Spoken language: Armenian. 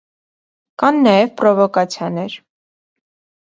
Կան նաև պրովոկացիաներ։